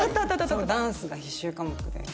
そうダンスが必修科目で。